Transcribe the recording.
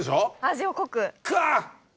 味を濃く。